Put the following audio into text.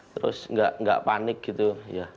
terus nggak panik gitu ya